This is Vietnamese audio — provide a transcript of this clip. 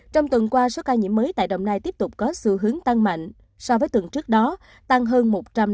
trong tuần qua số ca nhiễm mới tại đồng nai tiếp tục có xu hướng tăng mạnh so với tuần trước đó tăng hơn một trăm năm mươi